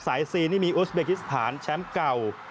สาย๔นี่มีอุสเบคิสฐานแชมป์เก่า